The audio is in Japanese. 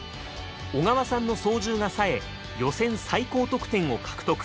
小川さんの操縦が冴え予選最高得点を獲得。